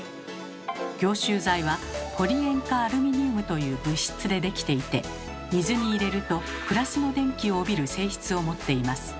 凝集剤は「ポリ塩化アルミニウム」という物質で出来ていて水に入れると＋の電気を帯びる性質を持っています。